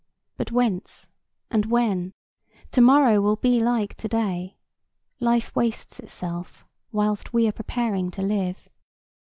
But whence and when? To morrow will be like to day. Life wastes itself whilst we are preparing to live.